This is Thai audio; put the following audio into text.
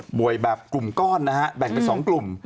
แบบกลุ่มก้อนนะฮะแบ่งเป็น๒กลุ่ม